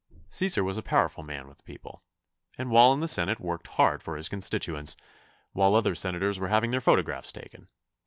Cæsar was a powerful man with the people, and while in the Senate worked hard for his constituents, while other Senators were having their photographs taken.